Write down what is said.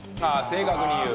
正確に言う。